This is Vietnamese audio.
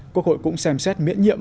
quốc hội cũng xem xét miễn nhiệm